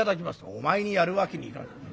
「お前にやるわけにいかない。